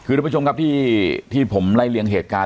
คือทุกผู้ชมครับที่ผมไล่เลี่ยงเหตุการณ์